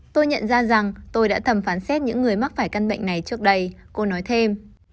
tôi nhận ra rằng tôi đã thẩm phán xét những người mắc phải căn bệnh này trước đây cô nói thêm